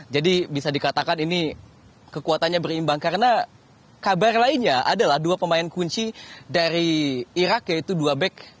jadi bisa dikatakan ini kekuatannya berimbang karena kabar lainnya adalah dua pemain kunci dari irak yaitu dua back